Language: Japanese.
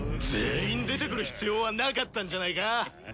全員出てくる必要はなかったんじゃないか？